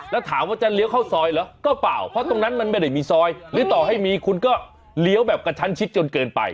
แล้วถามว่าจะเลี้ยวเข้าซอยเหรอก็เปล่าเพราะตรงนั้นมันไม่ได้มีซอยหรือต่อให้มีคุณก็เลี้ยวแบบกระชั้นชิดจนเกินไป